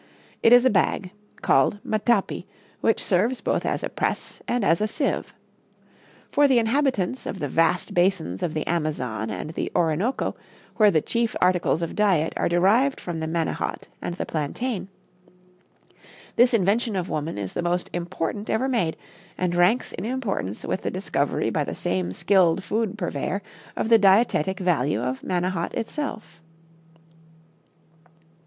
It is a bag, called matapi, which serves both as a press and as a sieve. For the inhabitants of the vast basins of the Amazon and the Orinoco, where the chief articles of diet are derived from the manihot and the plantain, this invention of woman is the most important ever made and ranks in importance with the discovery by the same skilled food purveyor of the dietetic value of manihot itself.